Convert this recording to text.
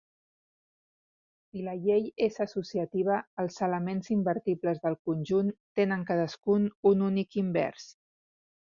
Si la llei és associativa, els elements invertibles del conjunt tenen cadascun un únic invers.